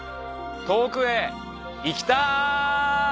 遠くへ行きたい！